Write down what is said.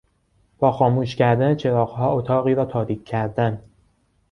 با خاموش کردن چراغها اتاقی را تاریک کردن